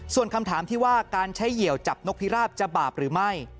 ส่วนคำถามที่ว่าการใช้เหี่ยวจับนกพิราบจะบาปหรือไม่